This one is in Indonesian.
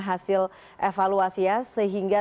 hasil evaluasi ya sehingga